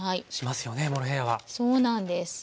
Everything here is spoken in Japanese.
そうなんです。